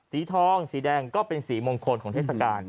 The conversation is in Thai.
สีทองสีแดงก็เป็นสีมงคลของเทศกาล